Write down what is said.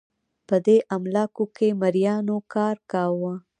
په دې املاکو کې مریانو کار کاوه